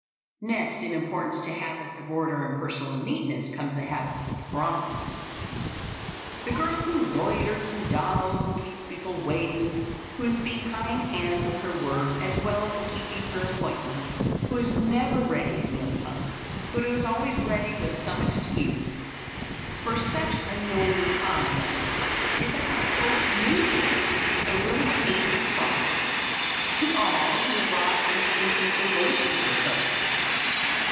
Next in importance to habits of order and personal neatness comes the habit of promptness. The girl who loiters and dawdles and keeps people waiting, who is behindhand with her work as well as in keeping her appointments, who is never ready at meal time, but who is always ready with some excuse for such annoying conduct, is a household nuisance, a really painful trial to all who are brought into intimate relations with her.